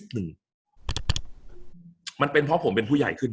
กับการสตรีมเมอร์หรือการทำอะไรอย่างเงี้ย